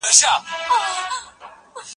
دخپلي میني پر امسا ورځمه